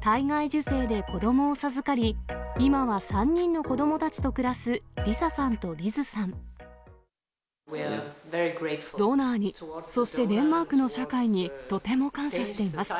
体外受精で子どもを授かり、今は３人の子どもたちと暮らす、ドナーに、そしてデンマークの社会にとても感謝しています。